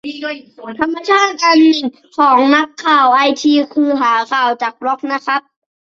ธรรมชาติอันหนึ่งของนักข่าวไอที คือหาข่าวจากบล็อกนะครับ